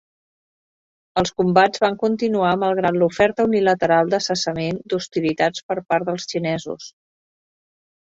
Els combats van continuar malgrat l'oferta unilateral de cessament d'hostilitats per part dels xinesos.